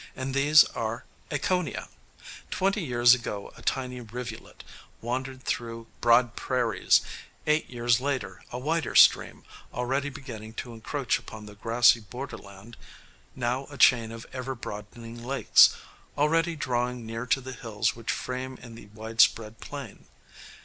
And these are Ekoniah! Twenty years ago a tiny rivulet, wandering through broad prairies; eight years later a wider stream, already beginning to encroach upon the grassy borderland; now a chain of ever broadening lakes, already drawing near to the hills which frame in the widespread plain.